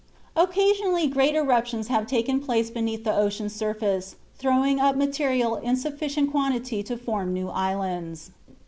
Occasionally great eruptions have taken place beneath the ocean's surface, throwing up material in sufficient quantity to form new islands.